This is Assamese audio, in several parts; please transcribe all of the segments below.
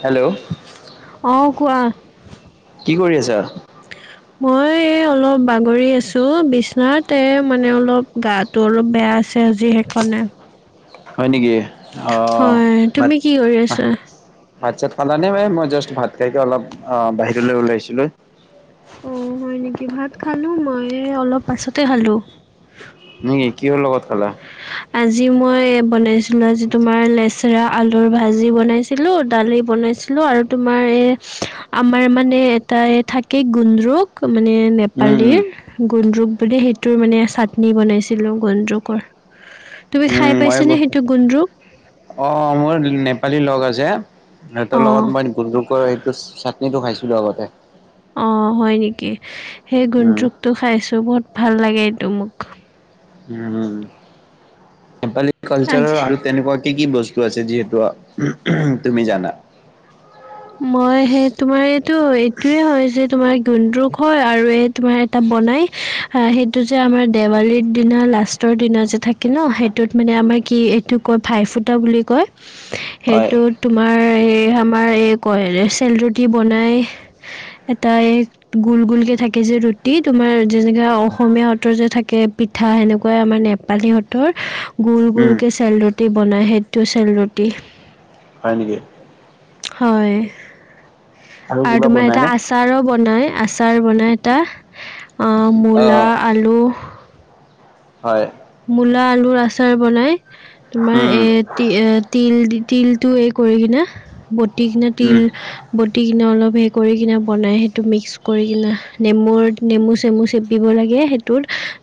হেল্ল অ কোৱা। কি কৰি আছা মই এই অলপ বাগৰি আছো বিছনাতে মানে অলপ গাত তো বেয়া আছে আজি সেইকাৰণে। হয় নেকি অ হয়, তুমি কি কৰি আচ্ছা আছা? ভাত চাত খালা নে মই জাষ্ট ভাত খাইকে অলপ অ বাহিৰলে ওলাইছিলো। অ হয় নেকি ভাত খালো মই এই অলপ পাছতে খালো। হয়নি কিহৰ লগত খালা আজি মই বনাইছিলো আজি তোমাৰ লেচৰা আলুৰ ভাজি বনাইছিলো। ছিলো দালি বনাইছিলো আৰু তোমাৰ এ আমাৰ মানে এটা এ থাকে থাকে গুন্দ্ৰুক মানে উম উম নেপালীৰ। গুন্দ্ৰুক বুলি, সেইটোৰ মানে চাটনি বনাইছিলো গুন্দ্ৰুকৰ। তুমি খাই উম মই পাইছানে গো সেইটো গুন্দ্ৰুক? অ মোৰ নেপালী লগ আছে। সিহঁতৰ অ'। লগত মই গুকৰ সটো চাটনিটো খাইছিলো আগত অ', হয় নেকি, সেই উম গুন্ত্ৰুকটো খাইছো বহুত ভাল লাগে এইটো মোক উম, নেপালী আজি কালচাৰৰ আৰু তেনেকুৱা কি কি বস্ত আছে যিহেতু তুমি জানা মই সেই তোমাৰ এইটো, এইটোয়ে হয় যে তোমাৰ গুন্দুক হয় আৰু এই তুমাৰ এটা বনাই, সেইটো যে আমাৰ দেৱালীৰ দিনা লাষ্টৰ দিনা যে থাকে কি ন সেইটোত মানে আমাৰ কি এইটো কয় ভাই ফুটা বুলি কয় [unintelligible] সেইটোত তোমাৰ, এই আমাৰ এই কয়, ৰেচেল ৰুটি বনাই এটা এই গোল গোলকে থাকে যে ৰুটি তোমাৰ যেনেকা অসমীয়া হতৰ যে থাকে পিঠা, সেনেকুৱাই আমাৰ নেপালীহঁতৰ গোল উম গোলকে চেল ৰুটি বনাই, সেইটো চেল ৰুটি হয় নেকি হয়, আৰু কিবা তোমাৰ এটা বনাইনে আ আচাৰো বনায়, আচাৰ বনাই এটা অ অ মূলা আলু হয় মূলা আলুৰ আচাৰ বনাই, তোমাৰ উম এ তি এ তিল তিলটো এই কৰি কিনে, বতি কিনে তিল উম বটি কিনে অলপ হে কৰি কিনে বনাই সেইটো মিক্স কৰি কিনে, নেমুৰ নেমু - চেমু চে দিব লাগে সেইটোত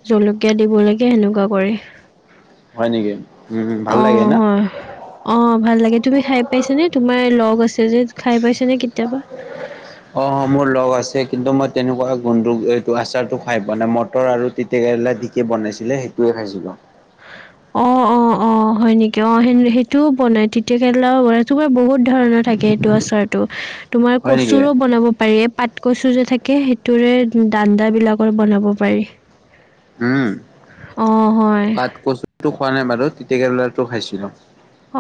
জলকীয়া দিব লাগে সেনেকুৱা কৰে। হয় নেকি, উম, ভাল লাগে না? অ', ভাল লাগে, তুমি খাই পাইছ নে তোমাৰ লগ আছে যে খাই পাইছ নে কেতিয়াবা? অ অ মোৰ লগ আছে কিন্তু মই তেনেকুৱা গুন্দ্ৰুক এইটো আচাৰটো খাই পোৱা নাই মটৰ আৰু তিতেকেৰেলা দি কে বনাইছিলে সেইটোৱে খাইছিলোঁ। অ অ অ হয় নেকি? অ সেন সেইটোও বনাই তিতা কেৰেলাও বনাই, তোমাৰ বহুত ধৰণৰ থাকে সেইটো আচাৰটো। তোমাৰ হয় নেকি? কচুৰো বনাব পাৰি এ পাত কচু যে থাকে সেইটোৰে দাণ্ডাবিলাকৰ বনাব পাৰি। উম। অ হয়। পাত কচুটো খোৱা নাই বাৰু, তিতে কেৰেলাটো খাইছিলো।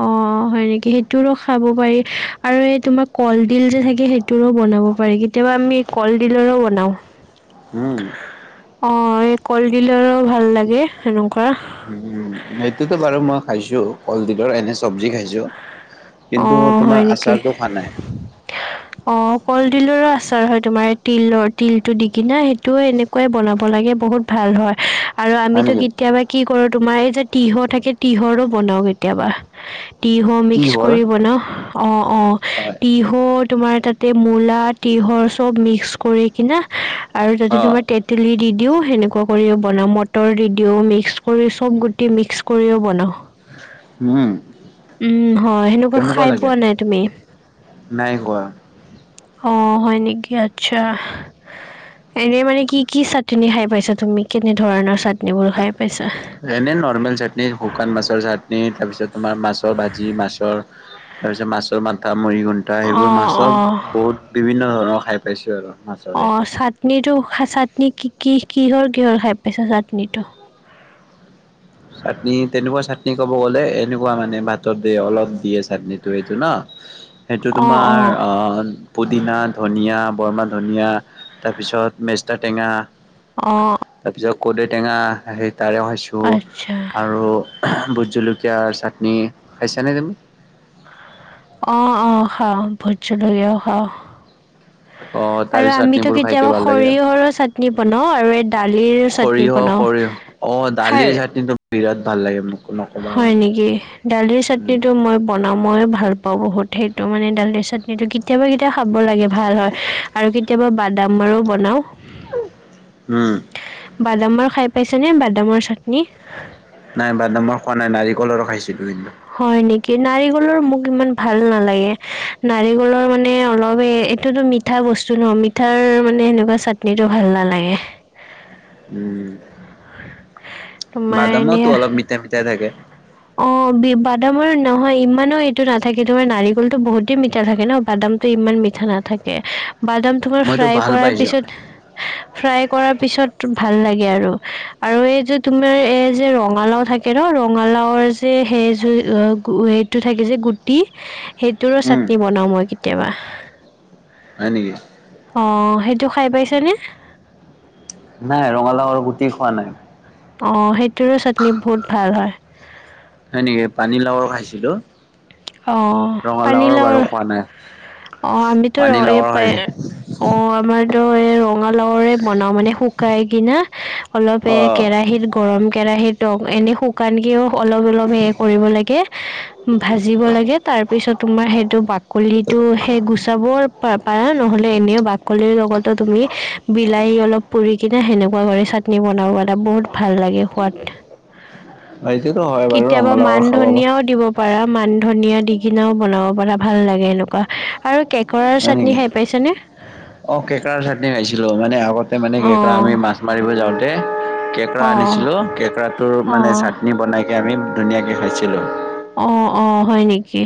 অ। অ হয় নেকি সেইটোৰো খাব পাৰি আৰু এই তোমাৰ কলডিল যে থাকে সেইটোৰো বনাব পাৰি। কেতিয়াবা আমি কলডিলৰো বনাওঁ। উহু অ এই কলডিলৰো ভাল লাগে সেনকুৱা। উম উম উম। সেইটোতো বাৰু মই খাইছো, কলডিলৰ এনে চব্জি খাইছো। অ কিন্তু তোমাৰ হয় নেকি আচাৰটো খোৱা নাই। অ কলডিলৰো আচাৰ হয়, তোমাৰ তিলৰ তিলটো দি কিনা সেইটোও এনে কৈ বনাব লাগে বহুত ভাল হয়। আৰু হয় আমিতো নেকি? কেতিয়াবা কি কৰো তোমাৰ এই যে তিহ থাকে তিহৰো বনাও কেতিয়াবা। তিহ কি মিক্স হ'ল? কৰি বনাও, অ অ হয়, তিহু তোমাৰ তাতে মূলা, তিহৰ চব মিক্স কৰি কিনা আৰু তাতে অ', তোমাৰ তে তেলি দি দিওঁ সেনেকুৱা কৰিও বনাওঁ, মটৰ দি দিওঁ মিক্স কৰি চব গুটি মিক্স কৰিও বনাওঁ। উম। অ, সেনোকুৱা কেনেকুৱা খাই লাগে? পোৱা নাই তুমি? নাই খোৱা। অ, হয় নেকি আচ্ছা। এনে মানে কি কি চাটনি খাই পাইছ তুমি কেনে ধৰণৰ চাটনিবোৰ খাই পাইছা? এনেই নৰ্মেল চাটনি, শুকান মাছৰ চাটনি তাৰপিছত তোমাৰ মাছৰ ভাজি, মাছৰ তাৰপিছত মাছৰ মাথা মৰিগুণ্টা সেইবোৰ অঁ মাছৰ অঁ বহুত বিভিন্ন ধৰণৰ খাই পাইছোঁ আৰু। অ, মাছৰে চাটনিটো চাটনি কি কি কিহৰ কিহৰ খাই পাইছা চাটনিটো? চাটনি তেনেকুৱা চাটনি ক'ব গ'লে এনেকুৱা মানে ভাতত দিয়ে অলপ দিয়ে চাটনিটো এইটো ন। সেইটো অঁ তোমাৰ অঁ অন পদিনা, ধনিয়া, বৰমা ধনিয়া তাৰপিছত মেষ্টা টেঙা অ। তাৰ পিছত কৰদৈ টেঙা সেই তাৰেও খাইছোঁ। আচ্ছা। আৰু আহ ভোট জলকীয়া চাটনি খাইছানে তুমি? অ অ খাও, ভোট জলকীয়াও খাও। অ তাৰ আৰু আমিতো চাটনিবোৰ খাইকে কেতিয়াবা ভাল লাগে সৰিহৰ চাটনি বনাও আৰু এদ- দালিৰ চাটনি সৰিয়হ বনাও সৰিয়হ অ দালিৰ হাই- চাটনিটো বিৰাট ভাল লাগে মোক। নকবা হয় মানে নেকি, দালিৰ উম চাটনিটো মই- বনাওঁ মই ভাল পাওঁ বহুত। সেইটো মানে দালিৰ চাটনিটো কেতিয়াবা কেতিয়াবা খাব লাগে ভাল হয়। আৰু কেতিয়াবা বাদামৰো বনাওঁ। উম' বাদামৰ খাই পাইছা নে বাদামৰ চাটনি? নাই বাদামৰ খোৱা নাই নাৰিকলৰ খাইছিলো সেইদিনা। হয় নেকি, নাৰিকলৰ মোক ইমান ভাল নালাগে নাৰিকলৰ মানে অলপ এইটোতো মি- মিঠা বস্তু ন মিঠাৰ মানে সেনেকুৱা চাটনিটো ভাল নালাগে। উম' তোমাৰ এনে বাদামৰটো অলপ মিঠা মিঠা থাকে। অঁ' বাদামৰ নহয় ইমানো এইটো নাথাকে তোমাৰ নাৰিকলটো বহুতেই মিঠা থাকে ন বাদামতটো ইমান মিঠা- থা নাথাকে। বাদাম- তোমাৰ মইতো ফ্ৰাই ভাল কৰাৰ পাইছো পিছত ফ্ৰাই কৰাৰ পিছত ভাল লাগে আৰু। আৰু এই যে তোমাৰ এই যে ৰঙালাও থাকে ন ৰঙালাওৰ যে সেইযো গুৱেত- তো থাকে যে গুটি সেইটোৰো উম চাটনি বনাও মই কেতিয়াবা। হয় নিকি। অঁ সেইটো খাই পাইছে নে। নাই ৰঙালাউৰ গুটি খোৱা নাই। অঁ সেইটোৰো চাটনি বহুত ভাল হয়। হয় নেকি, পানীলাউৰ খাইছিলো। অঁ ৰঙালাওৰ বাৰু পানীলাউৰ খোৱা নাই অঁ আমিতো ৰয় এ পানীলাওৰ খাইছো পায়- অঁ' আমাৰতো এই ৰঙালাউৰে বনাও মানে শুকাই কিনা। অলপ এ অ কেৰাহিৰ- গৰম কেৰাহিতত এনে শুকানকেও অলপ অলপ হে কৰিব লাগে ভাজি- জিব লাগে তাৰপিছত তোমাৰ সেইটো বাকলিটো সেই গুচাব পাৰা নহ'লে এনেও বা- কলিৰ লগতো তুমি বিলাহী অলপ পুৰি কিনে সেনেকুৱা চাটনি বনাও পাৰা বহুত- ভাল লাগে সোৱাত। এইটোতো হয় বাৰু ৰঙালাউ মান খাব- ধনিয়াও দিব পাৰা মান ধনিয়া দি কিনেও বনাব পাৰা ভাল লাগে এনেকুৱা আৰু- কেকৰাৰ চাটনি খাই পাইছানে? অঁ কেকৰা চাটনি খাইছিলো। মানে আগতে মানে কেকৰা অঁ আমি মাছ মাৰিব যাওঁতে কে- কেৰা অঁ আনিছিলোঁ কেকৰাটোৰ মানে অঁ চাটনি বনাইকে আমি ধুনীয়াকৈ খাইছিলোঁ। অঁ অঁ হয় নিকি?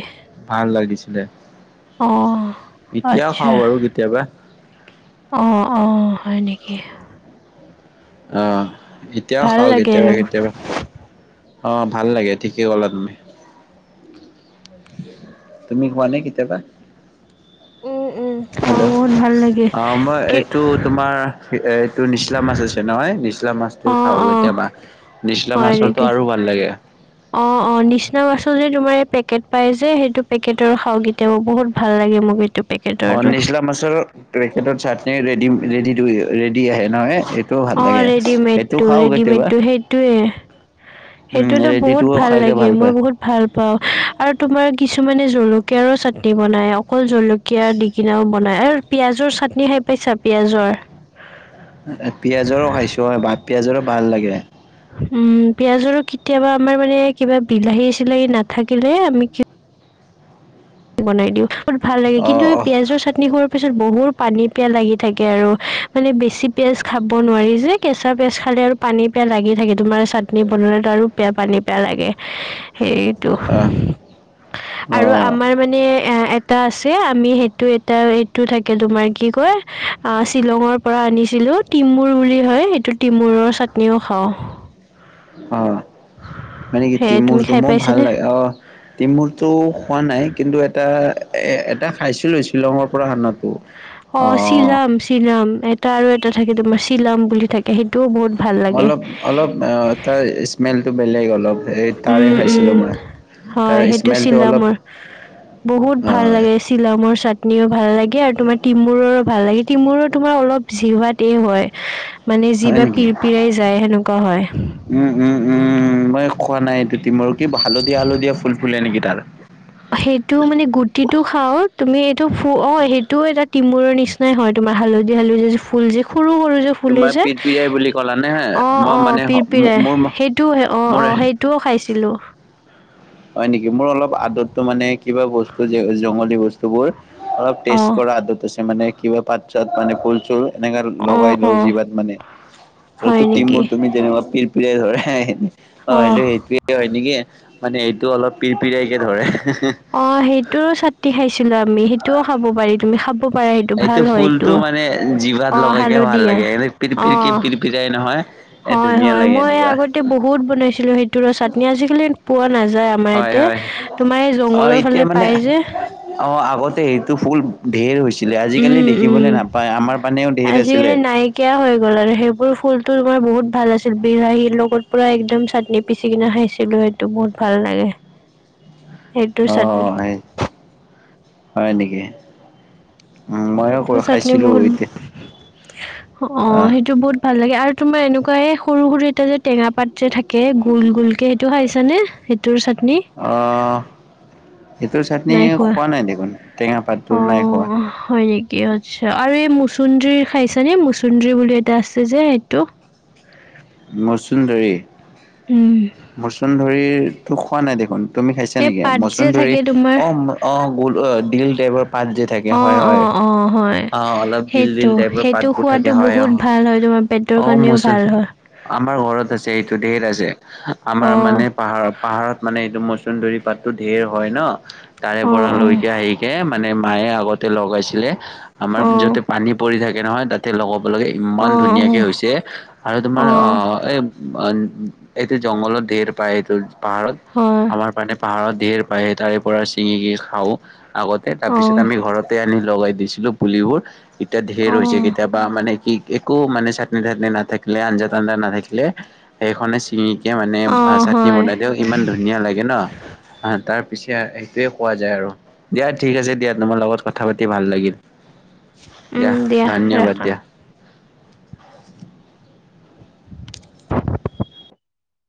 ভাল লাগিছিলে এতিয়াও আচ্ছা খাওঁ বাৰু কেতিয়াবা। অঁ অঁ হয় নিকি? আহ এতিয়াও ভাল খাওঁ লাগে কেতিয়াবা এনেকুৱা কেতিয়াবা অঁ ভাল লাগে ঠিকে কলা তুমি। তুমি খোৱানে কেতিয়াবা? উম উম অ হেল্লৌ' বহুত ভাল লাগে অঁহ মই কি এইটো তোমাৰ কে এই- টো নিচলা মাছ আছে নহয়, নিচলা মাছটো অ খাওঁ অ কেতিয়াবা নিচলা মাছৰটো আৰু ভাল লাগে। অঁ অঁ নিচিনা মাছৰ যে তোমাৰ এই পেকেট পাই যে সেইটো পেকেটৰ খাওঁ কেইটিয়াবা বহুত ভাল লাগে মোকে। অঁ নিচলা মাছৰ পেকেটত চাটনি ৰেডি ৰেডি ৰেডি আহে ন এ। অঁ' ৰেডিমেডটো ৰেডিমেডটো সেইটোৱে। উম সেইটোতো ৰেডিটো বহুত ভাল খাইকে লাগে মই পায় বহুত। ভাল পাওঁ আৰু তোমাৰ কিছুমানে জলকীয়াৰো চাটনি বনাই। অকল জলকীয়াদি কেনেও বনাই আৰু পিয়াজৰ চাটনি খাই পাইছা পিয়াজৰ। পিয়াজৰো খাইছো হয় বাত পিয়াজৰো ভাল লাগে। উম পিয়াজৰো কেতিয়াবা আমাৰ মানে কিবা বিলাহী চিলাহী নাথাকিলে আমি। বনাই দিওঁ ভাল লাগে অ কিন্তু এই অ পিয়াজৰ চাটনি হোৱাৰ পিছত বহুত। পানী পিয়াহ লাগি থাকে আৰু মানে বেছি পিয়াজ খাব নোৱাৰি যে কেঁচা পিয়াজ খালে আৰু। পানী পিয়াহ লাগি থাকে তোমাৰ চাটনি বনালেতো আৰু পানী পিয়া লাগে সেইটো। অ আৰু আ। আমাৰ অ মানে এ এটা আছে আমি সেইটো এটা এইটো থাকে তোমাৰ কি কয়। অ, শ্বিলঙৰ পৰা আনিছিলো তিমুৰ বুলি হয় সেইটো তিমূুৰৰ চাটনিও খাওঁ। অ, মানে কি সেয়ে তুমি তিমুৰটো খাই মোৰ ভাল পাইছানে লাগে আহ। তিমুৰতটো খোৱা নাই কিন্তু এটা এ এটা খাইছিলো শ্বিলঙত। অ চিৰাম চিৰাম এটা আৰু এটা থাকে তোমাৰ চিলাম বুলি থাকে। সেইটোও বহুত ভাল লাগে। অলপ অলপ তাৰ স্মেলটো বেলেগ অলপ এই তাৰে উম খাইছিলোঁ উম মই, হয় তাৰ সেইটো স্মেলটো অলপ। শ্বিলঙৰ উ [inaudible] বহুত ভাল লাগে চিলামৰ চাটনিও ভাল লাগে আৰু তোমাৰ তিমূৰৰ ভাল লাগে তিমূৰৰো তোমাৰ অলপ। [unintelligible] হয় মানে হয় জিভা নেকি? পিৰপিৰাই যায় সেনেকুৱা হয়। উম উম উম উম। খোৱা নাই তিমল কি হালধীয়া হালধীয়া ফুল ফুলে নেকি তাৰ? সেইটো মানে গুটিটো খাও, তুমি এইটো ফু অ', সেইটো এটা তিমুৰৰ নিচিনা। নাই হয় তোমাৰ হালধীয়া হালধীয়া যে ফুল যে সৰু সৰু যে। ফুল তোমাৰ যে পিৰপিৰাই বুলি ক'লা নে? অ', মই অ', মানে পিৰপিৰাই মোৰ সেইটো, অ', মোৰ অ, সেই। তও খাইছিলোঁ। হয় নেকি, মোৰ অলপ আদতটো মানে কিবা বস্তু জংঘলী বস্তু বোৰ। অলপ অঁ টেষ্ট কৰা [unintelligible] মানে কিবা পাত ছাত মানে ফুল চুল তেনেকাে অঁ লগাই লও অঁ জিভাত মানে হয় নেকি [unintelligible] তুমি যেনেকুৱা। অ', অঁ সেইটোৱে হয় নেকি [unintelligible] মানে এইটো অলপ পিৰিপিৰিইকে ধৰে। অ', সেইটো ছাটনি খাইছিলো আমি সেইটোও খাব পাৰি তুমি খাব পাৰা সেইটো ভাল হয় ফুলটো এইটো। মানে জিভাত অ লগাইকে ভাল হালধীয়া লাগে এনে পিৰ অ পিৰ কে পিৰপিৰাই নহয়। এ হয় ধুনীয়া হয় লাগে মই এনেকুৱা আগতে বহুত বনাইছিলো সেইটো ৰ চাটনি আজিকালি পোৱা নাযায়। আমাৰ হয় ইয়াতে হয় তোমাৰ এই অ জংঘলৰ এতিয়া ফালে মানে পায় যে। অ', আগতে সেইটো ফুল। ঢেৰ হৈছিলে, আজিকালি উম উম দেখিবলৈ নাপায় আমাৰ পানেও ঢেৰ আছিলে। নাইক হৈ গ'ল আৰু সেইবোৰ ফুলতো তোমাৰ বহুত ভাল আছিল বিলাহীৰ লগত পুৰা একদম চাটনি। পিচি কিনে খাইছিলো সেইটো বহুত ভাল লাগে। উ [unintelligible] [inaudible] সেইটোৰ চাটনি। হয় নেকি, উম ময়ো সেইটোৰ চাটনি খাইছিলো বহুত এতিয়া। অ', আহ সেইটো বহুত ভাল লাগে আৰু তোমাৰ এনেকুৱাই সৰু সৰু এটা যে টেঙা পাত যে থাকে। কে গোল গোল কে সেইটো খাইছ নে সেইটোৰ চাটনি। অ', সেইটোৰ চাটনি খোৱা নাই দেখোন। টেঙা পাতটো নাই খোৱা অ', হয়। কি আচ্ছা আৰু এই মচুন্দৰীৰ খাইছানে মচুন্দৰী বুলি এটা আছে যে এইটো মচুন্দৰী উমঁ! মচুন্দৰি তো খোৱা নাই দেখোন তুমি খাইছা এই নেকি পাত যে মচুন্দন্দৰি থাকে তোমাৰ অ। অঁ! গোল অঁ ডিল টাইবৰ পাত যে থাকে হয়ঁ অ', হয়ঁ। অ', অ', হয়। অঁ অলপ ডিল ডিল সেইটো টাইপৰ সেইটো পাতবোৰ থাকে খোৱাটো হয়ঁ বহুত অঁ', ভাল হয় তোমাৰ পেটৰ অ কাৰণেও মোৰচোন ভাল হয়। আমাৰ ঘৰত আছে এইটো ধেৰ আছে আমাৰ অ', মানে পাহাৰত। পাহাৰত মানে এইটো মচুন্দৰী পাতটো ধেৰ হয় ন তাৰে পৰা অ', অ', লৈকে আহি কে মানে মায়ে আগতে লগাইছিলে আমাৰ অ', য'তে পানী পৰি থাকে নহয় তা তে লগৰ বিলাকে ইমান ধুনীয়াকে অ', হৈছে আৰু তোমাৰ অ', অ', অঁ এ অন এইটো জংঘলত ধঢেৰ পায় এইটো পাহাৰত হয়, আমাৰ পান পাহাৰত ধেৰ তাৰে তাৰে পৰা ছিঙি কি খাও আগতে তাৰ পিছত অ', আমি ঘৰতে আনি লগাই দিছিলো পুলিবোৰ এতিয়া ধেঢৰ হৈছে অ', কেতিয়াবা মানে কি একো মানে চাটনি চাটনি নাথাকিলে আঞ্জাত আঞ্জা নাথাকিলে সেইখনে ছিঙিকে মানে অ', চাটনি হয়। বনাই দিও ইমান ধুনীয়া লাগে ন। আহ তাৰ পিছে সেইটোয়ে কোৱা যায় আৰু। দিয়া ঠিক আছে দিয়া তোমাৰ লগত কথা পাতি ভাল লাগিল উম, দিয়া ধন্যবাদ ৰাখা দিয়া।